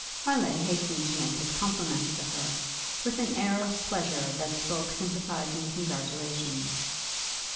Harleigh hastened to make his compliments to her, with an air of pleasure that spoke sympathising congratulation.